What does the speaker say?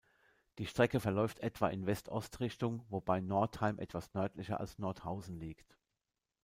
Die Strecke verläuft etwa in West-Ost-Richtung, wobei Northeim etwas nördlicher als Nordhausen liegt.